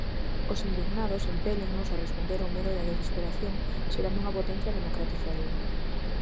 Os indignados impélennos a responder ao medo e á desesperación, xerando unha potencia democratizadora.